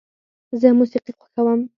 زه موسیقي خوښوم.